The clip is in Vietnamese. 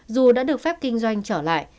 dù đã được phép kinh doanh trở lại